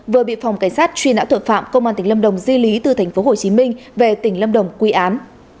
vừa bị phòng cảnh sát truy nã tội phạm công an tỉnh lâm đồng di lý từ tp hcm về tỉnh lâm đồng quy án